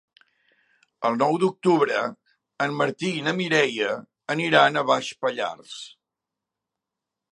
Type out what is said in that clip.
El nou d'octubre en Martí i na Mireia aniran a Baix Pallars.